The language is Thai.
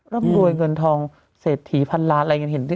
รำรวยเงินทองเศษถีพันล้านอะไรอย่างนี้